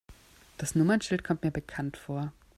Das Nummernschild kommt mir bekannt vor.